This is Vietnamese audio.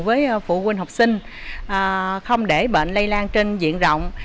với phụ huynh học sinh không để bệnh lây lan trên diện rộng